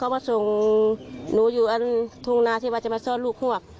เขามาส่งหนูอยู่อันทุ่งนาที่ว่าจะมาซ่อนลูกฮวก